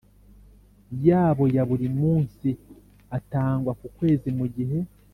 Yabo ya buri munsi atangwa ku kwezi mu gihe